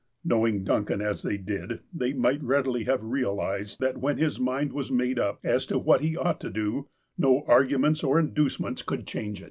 Knowing Duncan, as they did, they might readily have realized that when his mind was made up as to what he ought to do, no arguments or inducements could change it.